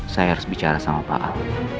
saya harus bicara sama pak al